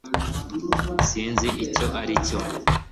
sinzi icyo aricyo